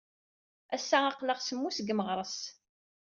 Ass-a aql-aɣ semmus seg Meɣres.